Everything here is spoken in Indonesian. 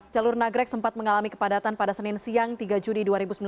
jalur nagrek sempat mengalami kepadatan pada senin siang tiga juni dua ribu sembilan belas